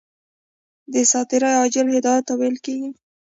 دساتیر عاجل هدایت ته ویل کیږي.